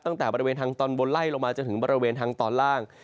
ตั้งแต่บริเวณทางตอนบนไล่ลงมาจนถึงบริเวณทางตอนล่าง